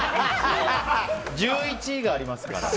１１がありますから。